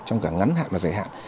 trong cả ngắn hạn và giải hạn